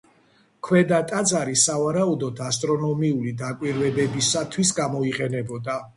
ქვედა ტაძარი სავარაუდოდ ასტრონომიული დაკვირვებებისათვის გამოიყენებოდა.